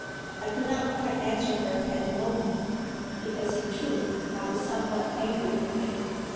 I could not quite answer her at the moment, because in truth I was somewhat angry with him.